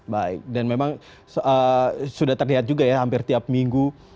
baik dan memang sudah terlihat juga ya hampir tiap minggu